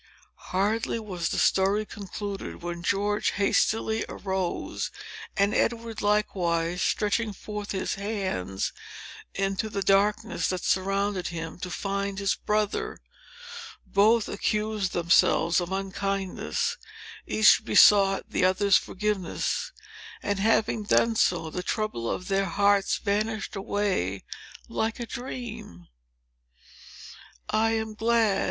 Hardly was the story concluded, when George hastily arose, and Edward likewise, stretching forth his hands into the darkness that surrounded him, to find his brother. Both accused themselves of unkindness; each besought the other's forgiveness; and having, done so, the trouble of their hearts vanished away like a dream. "I am glad!